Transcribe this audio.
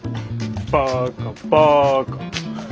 バカバカ。